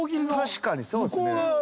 確かにそうですね。